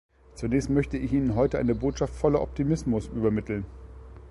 Zunächst möchte ich Ihnen heute eine Botschaft voller Optimismus übermitteln.